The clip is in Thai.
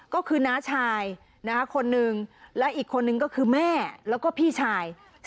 ก็คือน้าชายนะคะคนนึงและอีกคนนึงก็คือแม่แล้วก็พี่ชาย